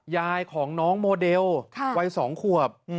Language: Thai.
ยายของน้องโมเดลวัย๒ขวบ